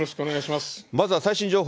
まずは最新情報。